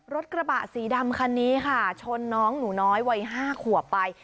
รถกระบะสีดำคันนี้ค่ะชนน้องหนูน้อยวัย๕ขวบไป